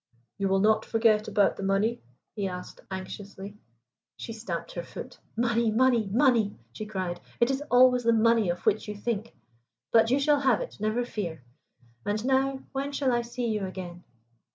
"You will not forget about the money?" he asked anxiously. She stamped her foot. "Money, money, money," she cried. "It is always the money of which you think. But you shall have it, never fear. And now when shall I see you again?"